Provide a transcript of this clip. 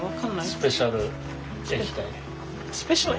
スペシャル液体？